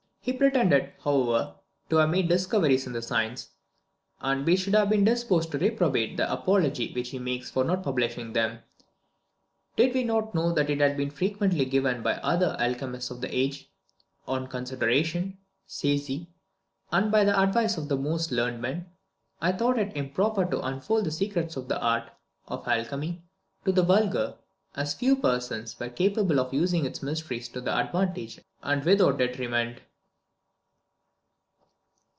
He pretended, however, to have made discoveries in the science, and we should have been disposed to reprobate the apology which he makes for not publishing them, did we not know that it had been frequently given by the other alchemists of the age "On consideration," says he, "and by the advice of the most learned men, I thought it improper to unfold the secrets of the art (of alchemy) to the vulgar, as few persons were capable of using its mysteries to advantage and without detriment."